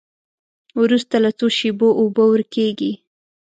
وروسته له څو شېبو اوبه ورکیږي.